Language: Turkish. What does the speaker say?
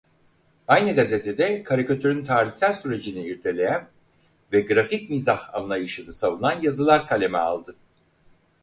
Aynı gazetede karikatürün tarihsel sürecini irdeleyen ve grafik mizah anlayışını savunan yazılar kaleme aldı.